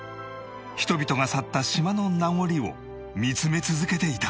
人々が去った島の名残を見つめ続けていた